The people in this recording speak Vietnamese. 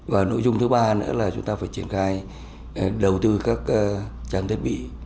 và nội dung thứ ba nữa là chúng ta phải triển khai đầu tư các trang thiết bị